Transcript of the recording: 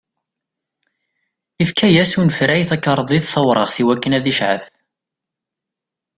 Ifka-yas unefray takarḍit tawraɣt i wakken ad icɛef.